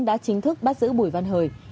đã chính thức bắt giữ bùi văn hời